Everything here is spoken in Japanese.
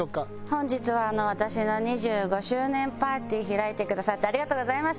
本日は私の２５周年パーティー開いてくださってありがとうございます。